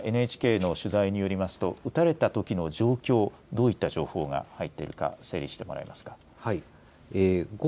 また、ＮＨＫの取材によりますと撃たれたときの状況どういった情報が入っているか整理してもらえますか。